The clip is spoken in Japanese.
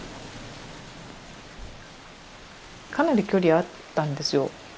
かなり距離あったんですよ。